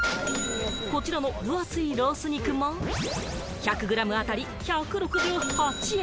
こちらの分厚いロース肉も１００グラム当たり１６８円。